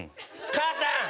母さん！